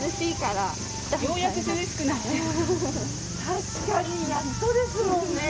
確かにやっとですもんね。